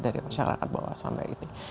dari masyarakat bawah sampai ini